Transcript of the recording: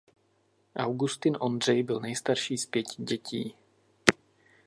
Augustin Ondřej byl nejstarší z pěti dětí.